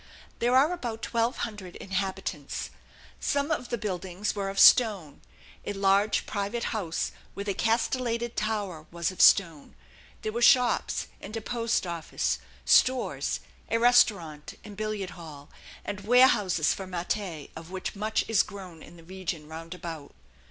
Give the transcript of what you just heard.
There are about twelve hundred inhabitants. Some of the buildings were of stone; a large private house with a castellated tower was of stone; there were shops, and a post office, stores, a restaurant and billiard hall, and warehouses for matte, of which much is grown in the region roundabout.